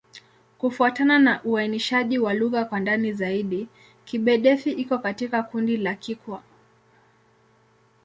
Kufuatana na uainishaji wa lugha kwa ndani zaidi, Kigbe-Defi iko katika kundi la Kikwa.